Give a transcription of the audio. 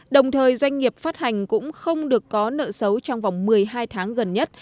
đồng thời doanh nghiệp phát hành cũng không được có nợ xấu trong vòng một mươi hai tháng gần nhất